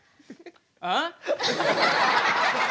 ああ！？